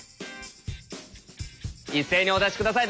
一斉にお出し下さい。